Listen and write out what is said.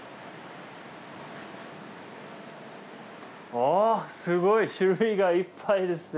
おすごい種類がいっぱいですね。